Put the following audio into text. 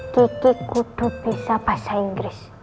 kiki kudu bisa bahasa inggris